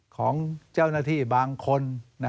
ของเจ้าหน้าที่บางคน